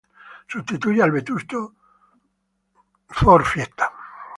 Sustituye al vetusto Stade Nungesser